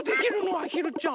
あひるちゃん。